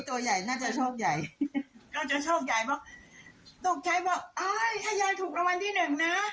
ก็จะโชคยายบอกตกใช้บอกอ้ายถ้ายายถูกรวรรณที่หนึ่งนะ